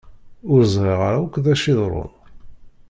Ur ẓriɣ ara akk d acu iḍerrun.